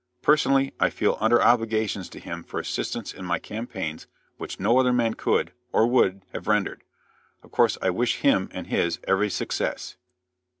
Personally, I feel under obligations to him for assistance in my campaigns which no other man could, or would, have rendered. Of course I wish him, and his, every success."